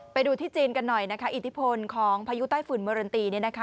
ไปดูที่จีนกันหน่อยนะคะอิทธิพลของพายุใต้ฝุ่นเมอรันตีเนี่ยนะคะ